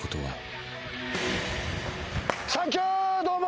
どうも！